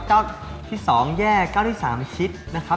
เจ้าที่๒แยก๙ที่๓ชิดนะครับ